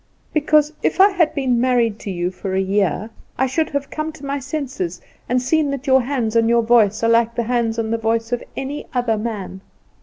"Because, if I had been married to you for a year I should have come to my senses and seen that your hands and your voice are like the hands and the voice of any other man.